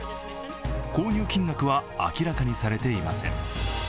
購入金額は明らかにされていません。